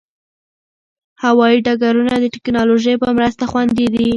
هوايي ډګرونه د ټکنالوژۍ په مرسته خوندي دي.